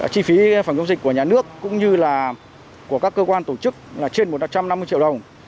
chi phí phòng chống dịch của nhà nước cũng như là của các cơ quan tổ chức là trên một trăm năm mươi triệu đồng